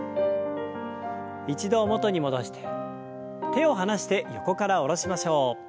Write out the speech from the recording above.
一度元に戻して手を離して横から下ろしましょう。